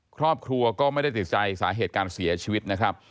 ครอบครัวก็ไม่ได้ติดใจสาเหตุการเสียชีวิตนะครับ